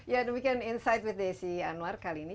ya demikian insight with desi anwar kali ini